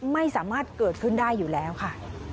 ไม่สามารถเกิดขึ้นได้อยู่แล้วค่ะ